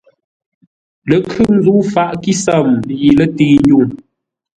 Ləkhʉŋ zə̂u faʼ kísəm yi lətəi-ndwuŋ.